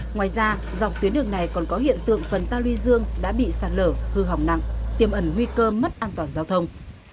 ngoài ra dọc tuyến đường này còn có hiện tượng phần ta luy dương đã bị sạt lở hư hỏng nặng tiêm ẩn nguy cơ mất an toàn giao thông